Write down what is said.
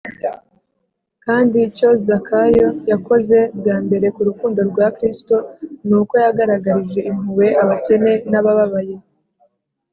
kandi icyo zakayo yakoze bwa mbere ku rukundo rwa kristo ni uko yagaragarije impuhwe abakene n’abababaye